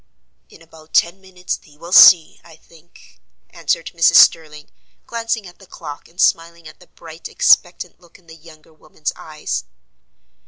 "In about ten minutes thee will see, I think," answered Mrs. Sterling, glancing at the clock, and smiling at the bright expectant look in the younger woman's eyes.